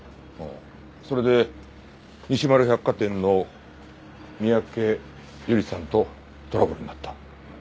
それで西丸百貨店の三宅由莉さんとトラブルになった。